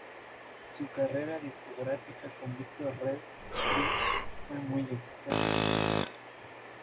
Su carrera discográfica con Victor Red Seal fue muy exitosa.